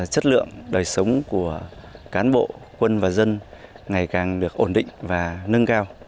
chất lượng đời sống của cán bộ quân và dân ngày càng được ổn định và nâng cao